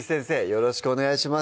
よろしくお願いします